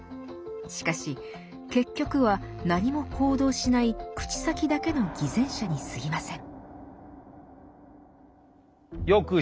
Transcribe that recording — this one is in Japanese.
しかし結局は何も行動しない口先だけの偽善者にすぎません。